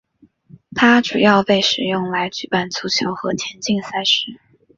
它主要被使用来举办足球和田径赛事。